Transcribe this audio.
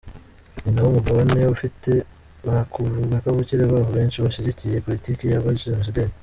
Ni nawo mugabane ufite ba kavukire baho benshi bashyigikiye politiki y’abajenosideri.